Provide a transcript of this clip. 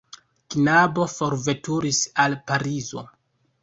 Knabo forveturis al Parizo.